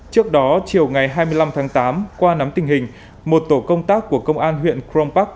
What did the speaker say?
trước đó chiều ngày hai mươi năm tháng tám qua nắm tình hình một tổ công tác của công an huyện crong park